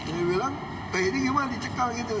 dia bilang eh ini gimana dicekal gitu